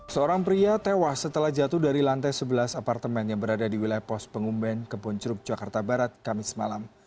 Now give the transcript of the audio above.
seorang pria tewas setelah jatuh dari lantai sebelas apartemen yang berada di wilayah pos pengumben kebonceruk jakarta barat kamis malam